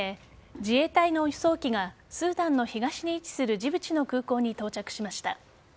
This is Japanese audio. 自衛隊の輸送機がスーダンの東に位置するジブチの空港に到着しました。